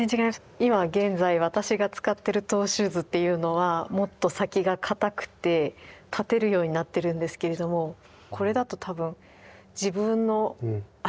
今現在私が使ってるトゥ・シューズっていうのはもっと先がかたくて立てるようになってるんですけれどもこれだと多分自分の足